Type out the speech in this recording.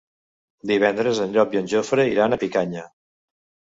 Divendres en Llop i en Jofre iran a Picanya.